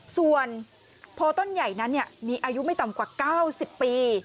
ส่วนโพต้นใหญ่นั้นมีอายุไม่ต่ำกว่า๙๐ปี